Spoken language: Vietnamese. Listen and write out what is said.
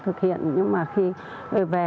thực hiện nhưng mà khi về